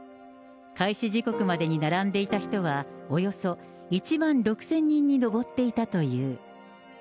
開始時刻までに並んでいた人は、およそ１万６０００人に上っていたという。